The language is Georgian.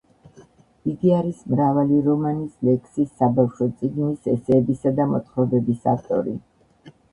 იგი არის მრავალი რომანის, ლექსის, საბავშვო წიგნის, ესეებისა და მოთხრობების ავტორი.